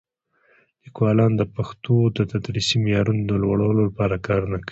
لیکوالان د پښتو د تدریسي معیارونو د لوړولو لپاره کار نه کوي.